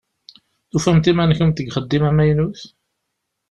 Tufamt iman-nkent deg uxeddim amaynut?